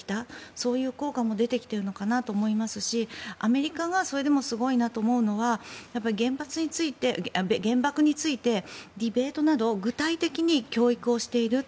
そういう効果も出てきているのかなと思いますしアメリカがそれでもすごいなと思うのは原爆についてディベートなど具体的に教育をしている。